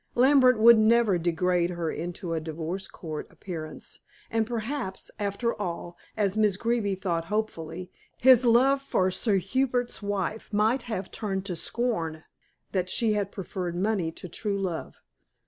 Lambert would never degrade her into a divorce court appearance. And perhaps, after all, as Miss Greeby thought hopefully, his love for Sir Hubert's wife might have turned to scorn that she had preferred money to true love.